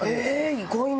意外な。